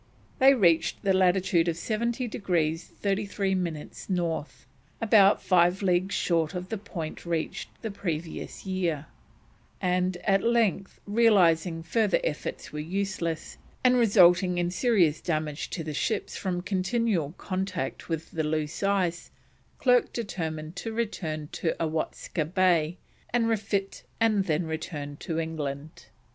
They reached the latitude of 70 degrees 33 minutes North, about five leagues short of the point reached the previous year, and at length, realising further efforts were useless and resulting in serious damage to the ships from continual contact with the loose ice, Clerke determined to return to Awatska Bay and refit and then return to England.